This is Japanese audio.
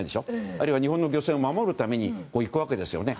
あるいは日本の漁船を守るためにいくわけですよね。